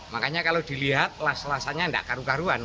makanya kalau dilihat kelas lasanya tidak karu karuan